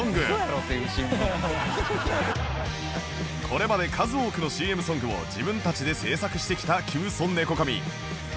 これまで数多くの ＣＭ ソングを自分たちで制作してきたキュウソネコカミ